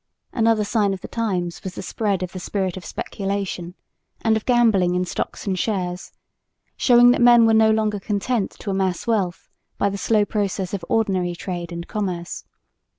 Another sign of the times was the spread of the spirit of speculation and of gambling in stocks and shares, showing that men were no longer content to amass wealth by the slow process of ordinary trade and commerce.